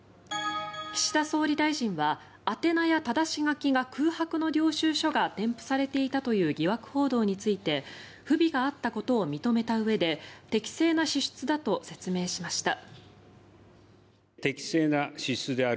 岸田総理大臣は宛名やただし書きが空白の領収書が添付されていたという疑惑報道について不備があったことを認めたうえで適正な支出だと説明しました。